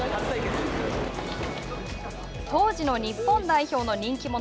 当時の日本代表の人気者